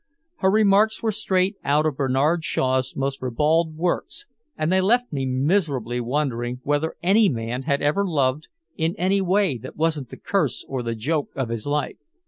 Her remarks were straight out of Bernard Shaw's most ribald works, and they left me miserably wondering whether any man had ever loved in any way that wasn't the curse or the joke of his life.